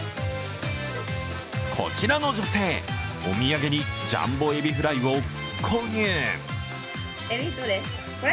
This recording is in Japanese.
こちらの女性、お土産にジャンボエビフライを購入。